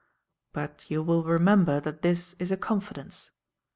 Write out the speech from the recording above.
But you will remember that this is a confidence.